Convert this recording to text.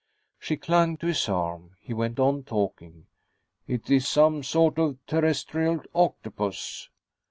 She clung to his arm. He went on talking. "It is some sort of terrestrial octopus...."